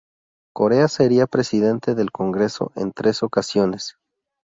Corea sería presidente del Congreso en tres ocasiones.